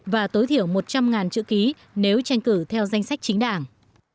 và tối thiểu một trăm linh chữ ký nếu tranh cử theo danh sách chính đảng